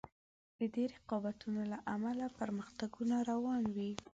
د دې رقابتونو له امله پرمختګونه روان وي.